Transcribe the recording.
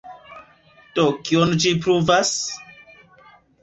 Do kion ĝi pruvas?